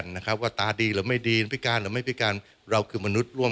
น่ารักมากเลย